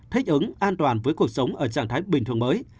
thích ứng an toàn với cuộc sống ở trạng thái bình thường mới